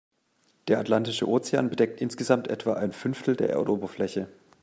Der Atlantische Ozean bedeckt insgesamt etwa ein Fünftel der Erdoberfläche.